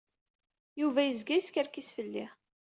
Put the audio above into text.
Yuba yezga yeskerkis fell-i.